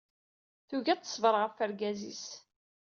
Tugi ad teṣber ɣef wergaz-is.